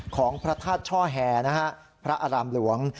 ของพระธาตุช่อแห่นะฮะพระอารามหลวง